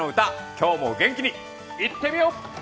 今日も元気にいってみよう！